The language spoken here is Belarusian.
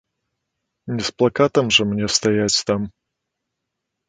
Не з плакатам жа мне стаяць там.